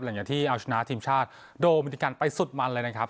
หลังจากที่เอาชนะทีมชาติโดมินิกันไปสุดมันเลยนะครับ